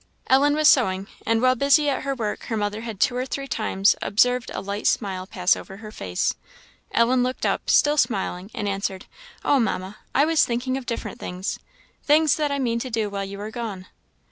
Ellen was sewing, and while busy at her work her mother had two or three times observed a light smile pass over her face. Ellen looked up, still smiling, and answered, "Oh, Mamma, I was thinking of different things things that I mean to do while you are gone."